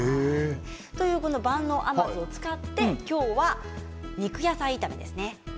この万能甘酢を使って今日は肉野菜炒めですね。